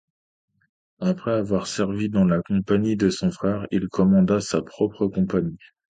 Après avoir servi dans la compagnie de son frère, il commanda sa propre compagnie.